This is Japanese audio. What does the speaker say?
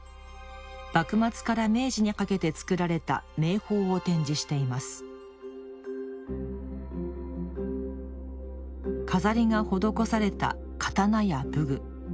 幕末から明治にかけて作られた名宝を展示しています錺が施された刀や武具。